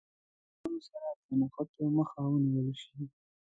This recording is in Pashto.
له سیکهانو سره د نښتو مخه ونیوله شي.